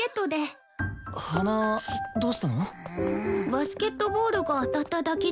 バスケットボールが当たっただけです。